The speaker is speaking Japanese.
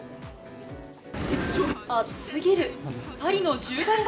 暑すぎる。